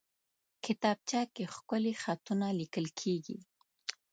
کتابچه کې ښکلي خطونه لیکل کېږي